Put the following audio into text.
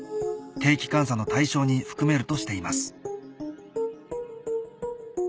定期監査の対象に含めるとしています